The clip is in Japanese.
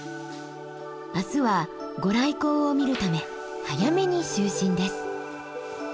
明日はご来光を見るため早めに就寝です。